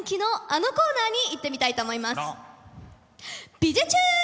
このコーナーは。